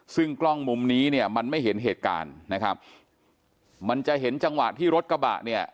ซึ่งกล้องมุมนี้เนี่ยมันไม่เห็นเหตุการณ์นะครับมันจะเห็นจังหวะที่รถกระบะเนี่ย